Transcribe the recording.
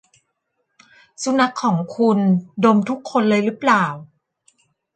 สุนัขของคุณดมทุกคนเลยรึเปล่า ?